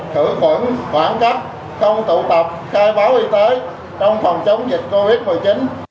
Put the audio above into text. cử khuẩn khoảng cấp không tụ tập khai báo y tế trong phòng chống dịch covid một mươi chín